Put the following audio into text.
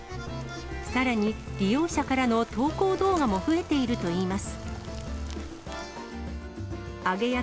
さらに、利用者からの投稿動画も増えているといいます。